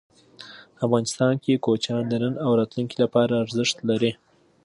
افغانستان کې کوچیان د نن او راتلونکي لپاره ارزښت لري.